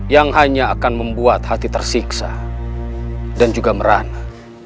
yang hanya akan membuat hati tersiksa dan juga merana